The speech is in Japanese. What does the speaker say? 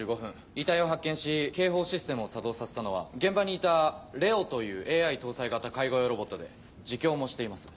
遺体を発見し警報システムを作動させたのは現場にいたＬＥＯというＡＩ搭載型介護用ロボットで自供もしています。